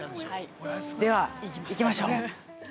では、行きましょう。